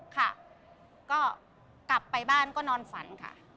ค่ะก็กลับไปบ้านก็นอนฝันค่ะ